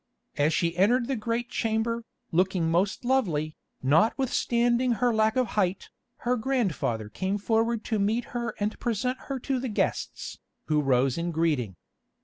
As she entered the great chamber, looking most lovely, notwithstanding her lack of height, her grandfather came forward to meet her and present her to the guests, who rose in greeting.